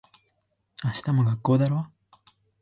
明日も学校だろ。